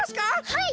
はい！